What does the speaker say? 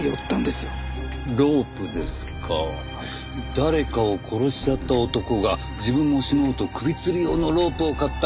誰かを殺しちゃった男が自分も死のうと首つり用のロープを買った。